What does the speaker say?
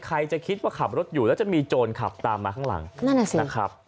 ใครจะคิดว่าขับรถอยู่แล้วจะมีโจรขับตามมาข้างหลังนั่นน่ะสินะครับ